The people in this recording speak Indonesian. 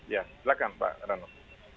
ya silahkan pak ranul